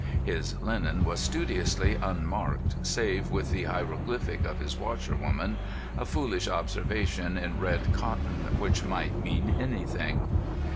(His linen was studiously unmarked, save with the hieroglyphic of his washerwoman—a foolish observation in red cotton which might mean anything.)